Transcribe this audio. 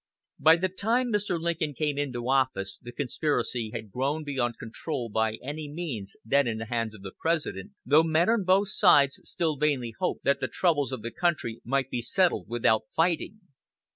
By the time Mr. Lincoln came into office the conspiracy had grown beyond control by any means then in the hands of a President, though men on both sides still vainly hoped that the troubles of the country might be settled without fighting.